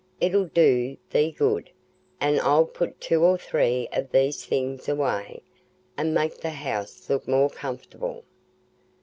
"It'll do thee good; and I'll put two or three of these things away, and make the house look more comfortable."